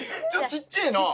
ちっちぇえな。